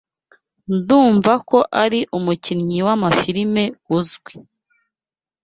Ndumva ko ari umukinnyi w'amafirime uzwi.